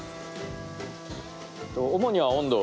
主には温度。